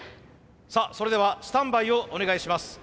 さあそれではスタンバイをお願いします。